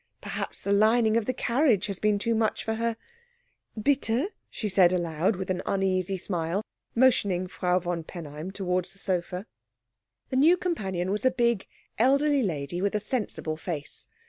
Perhaps the lining of the carriage has been too much for her. Bitte" she said aloud, with an uneasy smile, motioning Frau von Penheim towards the sofa. The new companion was a big, elderly lady with a sensible face.